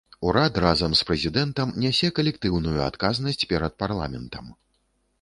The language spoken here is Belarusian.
Урад разам з прэзідэнтам нясе калектыўную адказнасць перад парламентам.